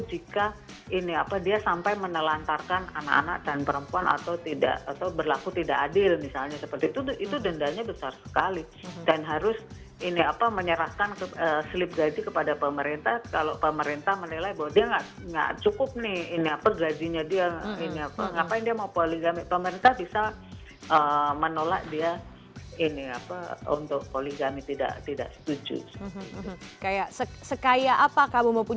jika mereka tidak bisa berpengalaman dengan negara lain